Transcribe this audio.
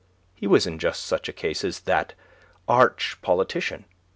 He was in just such case as that arch politician.